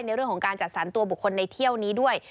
ในเรื่องของการจัดสรรตัวบุคคลในเที่ยวนี้ด้วย